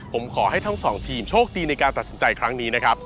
ผมขอให้ทั้งสองทีมโชคดีในการตัดสินใจครั้งนี้นะครับ